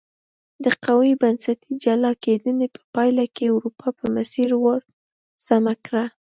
د قوي بنسټي جلا کېدنې په پایله کې اروپا په مسیر ور سمه کړه.